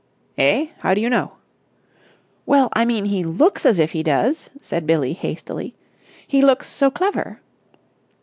"Eh? How do you know?" "Well, I mean, he looks as if he does!" said Billie hastily. "He looks so clever!"